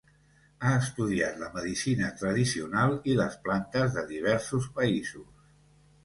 Ha estudiat la medicina tradicional i les plantes de diversos països.